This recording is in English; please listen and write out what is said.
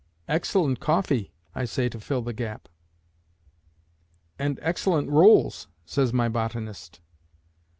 "Excellent coffee," I say to fill the gap. "And excellent rolls," says my botanist.